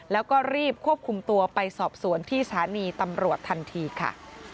แล้วก็รีบควบคุมตัวไปสอบสวนที่สถานีตำรวจทันทีค่ะ